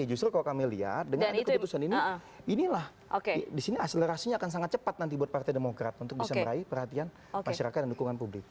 justru kalau kami lihat dengan ada keputusan ini inilah di sini akselerasinya akan sangat cepat nanti buat partai demokrat untuk bisa meraih perhatian masyarakat dan dukungan publik